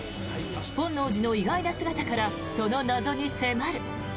本能寺の意外な姿からその謎に迫る！